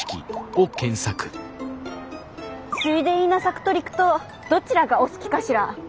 水田稲作と陸稲どちらがお好きかしら？